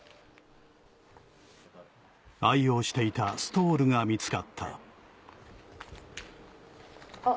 愛用していたストールが見つかったあっ。